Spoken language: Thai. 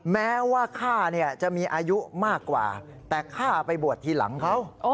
แม้ว่าข้าจะมีอายุมากกว่าแต่ข้าไปบวชทีหลังเขา